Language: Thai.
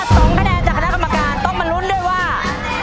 สองคะแนนจากคณะกรรมการต้องมาลุ้นด้วยว่า